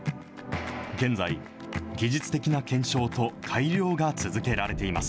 現在、技術的な検証と改良が続けられています。